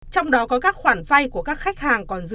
trong đó có các khoản vay của các khách hàng